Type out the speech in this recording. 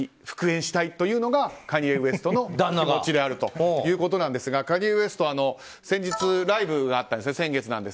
復縁したいというのはカニエ・ウェストの気持ちであるということですがカニエ・ウェストは先月、ライブがあったんですね。